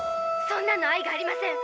そんなの愛がありません。